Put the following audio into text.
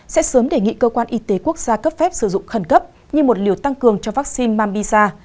sẽ sớm đề nghị cơ quan y tế quốc gia cấp phép sử dụng khẩn cấp như một liều tăng cường cho vaccine mamisa